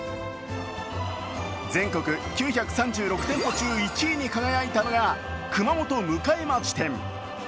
全国９３６店舗中１位に輝いたのが熊本迎町店。